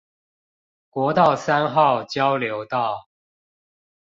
國道三號交流道